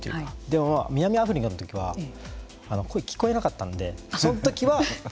でも南アフリカのときは声聞こえなかったんでその時は。